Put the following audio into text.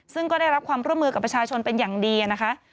ซึ่งก็ได้รับความร่วมมือกับประชาชนเป็นอย่างดีนะคะ